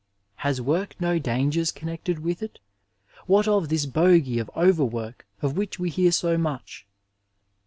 Has work no danger^ connected with it ? What of this bogie of overwork of which we hear so much